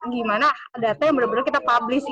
gimana data yang bener bener kita publish